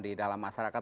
di dalam masyarakat